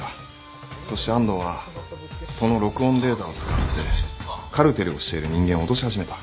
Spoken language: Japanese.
そして安藤はその録音データを使ってカルテルをしている人間を脅し始めた。